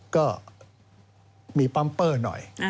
ก็มีปั๊มเปอร์หน่อย